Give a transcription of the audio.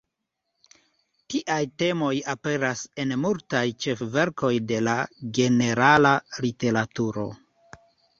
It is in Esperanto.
Tiaj temoj aperas en multaj ĉef-verkoj de la generala literaturo.